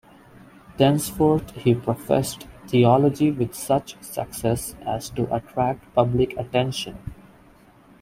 Thenceforth he professed theology with such success as to attract public attention.